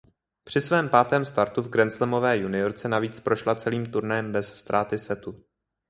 Při svém pátém startu v grandslamové juniorce navíc prošla celým turnajem bez ztráty setu.